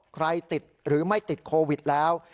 ติดหรือไม่ติดโควิดแล้ว